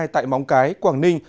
tại móng cái quảng ninh